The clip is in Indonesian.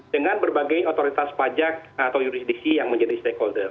dengan berbagai otoritas pajak atau jurisdiksi yang menjadi stakeholder